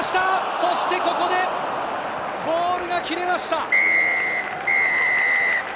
そして、ここでボールが切れました。